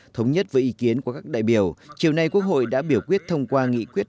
thống nhất với ý kiến của các đại biểu chiều nay quốc hội đã biểu quyết thông qua nghị quyết